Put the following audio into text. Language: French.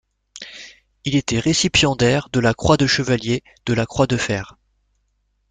Il était récipiendaire de la Croix de chevalier de la croix de fer.